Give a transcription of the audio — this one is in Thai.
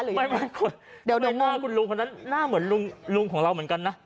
หรือว่าคุณลุงคนนั้นหน้าเหมือนลุงของเราเหมือนกันนะ